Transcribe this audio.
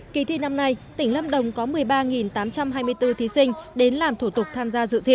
kỳ thi năm nay tỉnh lâm đồng có một mươi ba tám trăm hai mươi bốn thí sinh đến làm thủ tục tham gia dự thi